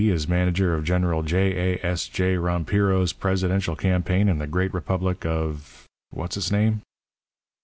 is manager of General J. A. S. J. Rompiro's presidential campaign in the great republic of what's its name?'